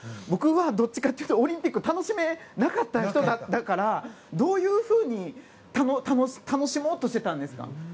僕はどっちかっていうとオリンピック楽しめなかった人だったからどういうふうに楽しもうとしていたんですか？